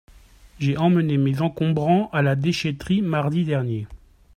J'ai emmené mes encombrants à la déchèterie mardi dernier.